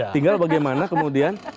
tinggal bagaimana kemudian